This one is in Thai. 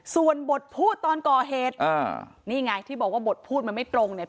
ส่วนบทพูดตอนก่อเหตุอ่านี่ไงที่บอกว่าบทพูดมันไม่ตรงเนี่ย